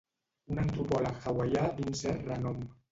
Un antropòleg hawaià d'un cert renom.